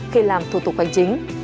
khi làm thủ tục hành chính